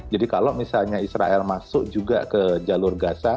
jadi kalau misalnya israel masuk juga ke jalur gaza